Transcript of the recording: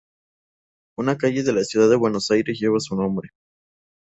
Una calle de la ciudad de Buenos Aires lleva su nombre.